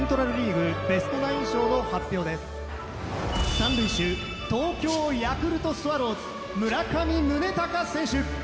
三塁手東京ヤクルトスワローズ村上宗隆選手。